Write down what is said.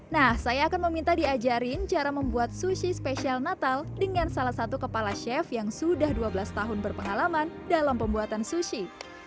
nah saya akan meminta diajarin cara membuat sushi spesial natal dengan salah satu kepala chef yang sudah dua belas tahun berpengalaman dalam pembuatan sushi